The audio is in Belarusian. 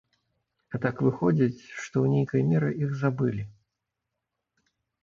А так выходзіць, што ў нейкай меры іх забылі.